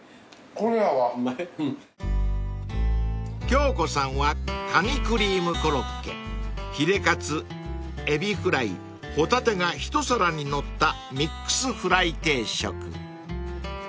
［京子さんはカニクリームコロッケヒレカツエビフライ帆立が一皿に載ったミックスフライ定食］